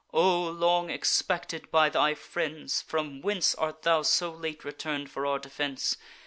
O, long expected by thy friends! from whence Art thou so late return'd for our defence?